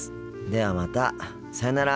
ではまたさようなら。